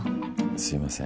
すいません。